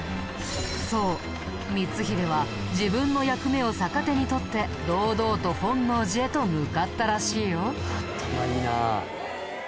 そう光秀は自分の役目を逆手にとって堂々と本能寺へと向かったらしいよ。